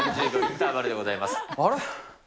あれ？